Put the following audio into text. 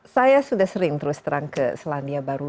saya sudah sering terus terang ke selandia baru